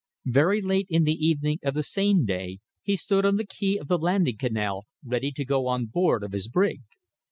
Very late in the evening of the same day he stood on the quay of the landing canal, ready to go on board of his brig.